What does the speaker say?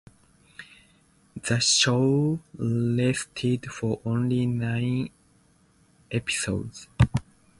The show lasted for only nine episodes.